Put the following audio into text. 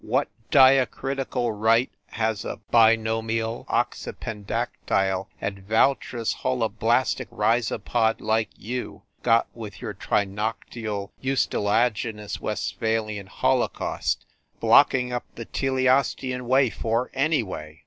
What diacritical right has a binominal oxypendactile advoutrous holoblastic rhizopod like you got with your trinoctial ustilagi nous Westphalian holocaust blocking up the teleos tean way for, anyway